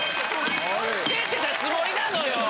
つけてたつもりなのよ！